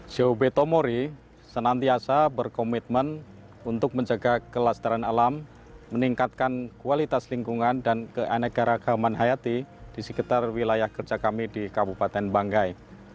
cob tomori senantiasa berkomitmen untuk menjaga kelestaran alam meningkatkan kualitas lingkungan dan keanekaragaman hayati di sekitar wilayah kerja kami di kabupaten banggai